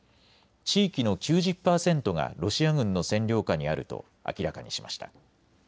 地域の９０％がロシア軍の占領下にあると明らかにしました。